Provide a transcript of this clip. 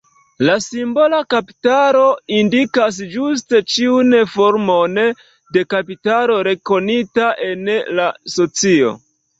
La simbola kapitalo indikas ĝuste ĉiun formon de kapitalo rekonita en la socio.